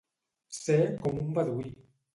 Ser com un beduí.